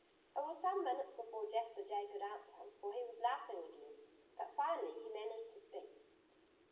It was some minutes before Jasper Jay could answer him, for he was laughing again. But finally he managed to speak.